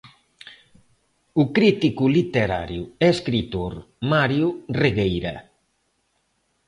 O crítico literario e escritor Mario Regueira.